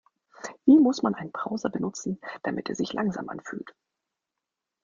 Wie muss man einen Browser benutzen, damit er sich langsam anfühlt?